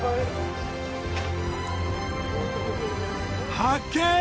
発見！